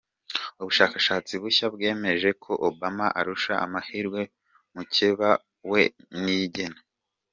Ubushakashatsi bushya bwemeje ko Obama arusha amahirwe mukeba we Niyigena